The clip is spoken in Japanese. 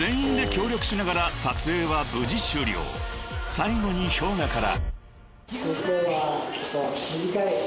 ［最後にＨｙＯｇＡから］